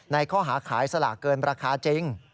ข้อหาขายสลากเกินราคาจริง